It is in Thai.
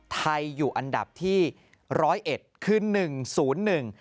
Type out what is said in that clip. ไทยอยู่อันดับที่ร้อยเอ็ดคือหนึ่งศูนย์หนึ่ง